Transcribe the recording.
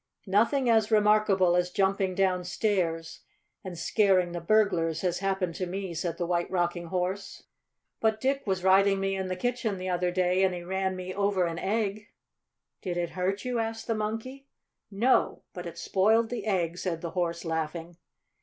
"Nothing as remarkable as jumping downstairs and scaring the burglars has happened to me," said the White Rocking Horse. "But Dick was riding me in the kitchen the other day and he ran me over an egg." "Did it hurt you?" asked the Monkey. "No; but it spoiled the egg," said the Horse, laughing.